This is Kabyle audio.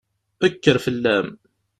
Kker fell-am!